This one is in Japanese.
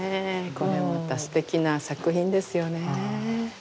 これまたすてきな作品ですよねえ。